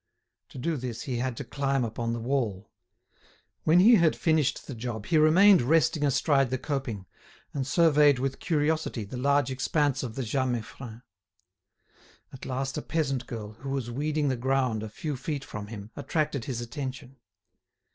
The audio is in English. To do this he had to climb upon the wall. When he had finished the job he remained resting astride the coping, and surveyed with curiosity the large expanse of the Jas Meiffren. At last a peasant girl, who was weeding the ground a few feet from him, attracted his attention.